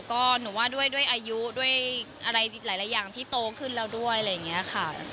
ก็หนูว่าด้วยอายุด้วยอะไรหลายอย่างที่โตขึ้นแล้วด้วยอะไรอย่างนี้ค่ะ